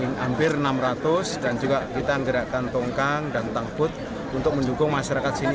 ini hampir enam ratus dan juga kita menggerakkan tongkang dan takbut untuk mendukung masyarakat sini